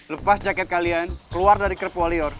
lepas jaket kalian keluar dari kerp walior